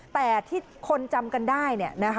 แต่ที่คนจำกันได้